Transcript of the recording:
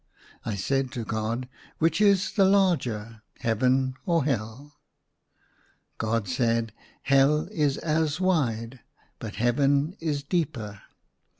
I said to God, " Which is the larger, Heaven or Hell .*" God said, " Hell is as wide, but Heaven is deeper.